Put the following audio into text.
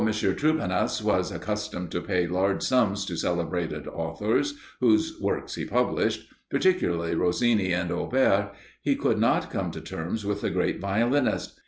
Troupenas was accustomed to pay large sums to celebrated authors, whose works he published, particularly Rossini and Auber, he could not come to terms with the great violinist.